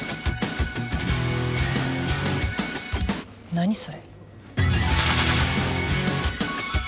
何それ？